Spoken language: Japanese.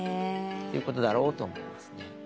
ということだろうと思いますね。